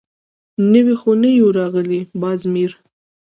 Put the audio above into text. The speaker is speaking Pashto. _نوي خو نه يو راغلي، باز مير.